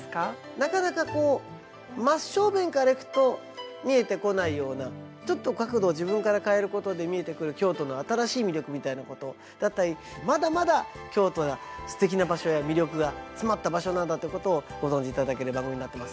なかなかこう真正面から行くと見えてこないようなちょっと角度を自分から変えることで見えてくる京都の新しい魅力みたいなことだったりまだまだ京都がすてきな場所や魅力が詰まった場所なんだってことをご存じいただける番組になってます。